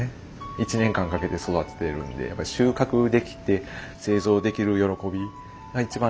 １年間かけて育てているんでやっぱり収穫できて製造できる喜びが一番